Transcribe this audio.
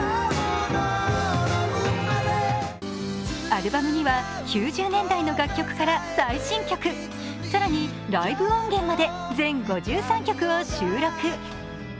アルバムには９０年代の楽曲から最新曲、更にライブ音源まで全５３曲を収録。